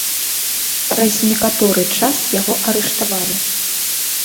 Праз некаторы час яго арыштавалі.